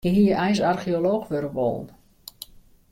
Hy hie eins archeolooch wurde wollen.